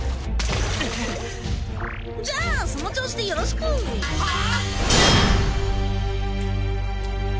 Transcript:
うわっ！じゃあその調子でよろしくはあ？